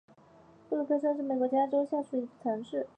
布鲁克山是美国阿拉巴马州下属的一座城市。